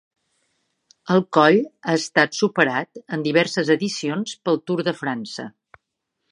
El coll ha estat superat en diverses edicions pel Tour de França.